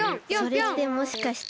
それってもしかして。